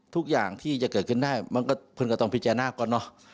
ทุกอย่างที่จะเกิดขึ้นได้มันก็เพื่อนก็ต้องพิจารณาก่อนเนอะ